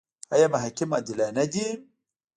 آیا محاکم عادلانه دي؟